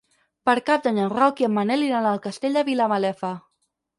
Per Cap d'Any en Roc i en Manel iran al Castell de Vilamalefa.